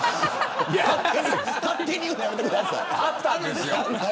勝手に言うのやめてください。